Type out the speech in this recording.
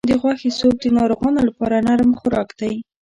د غوښې سوپ د ناروغانو لپاره نرم خوراک دی.